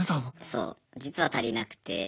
そう実は足りなくて。